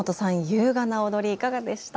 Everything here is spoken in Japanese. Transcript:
優雅な踊りいかがでした？